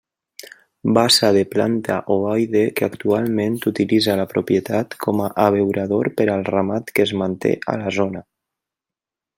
Bassa de planta ovoide, que actualment utilitza la propietat com a abeurador per al ramat que es manté a la zona.